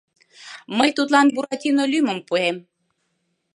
— Мый тудлан Буратино лӱмым пуэм.